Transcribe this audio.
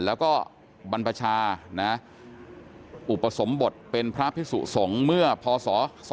แล้วก็บรรพชานะอุปสมบทเป็นพระพิสุสงฆ์เมื่อพศ๒๕๖